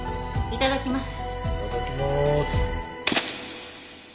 いただきます。